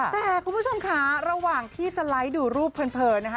แต่คุณผู้ชมค่ะระหว่างที่สไลด์ดูรูปเพลินนะคะ